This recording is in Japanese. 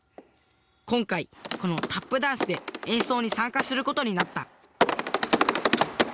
今回このタップダンスで演奏に参加することになった。